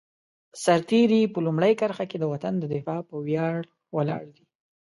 سرتېری په لومړۍ کرښه کې د وطن د دفاع په ویاړ ولاړ دی.